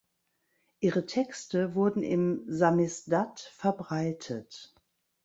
Ihre Texte wurden im Samisdat verbreitet.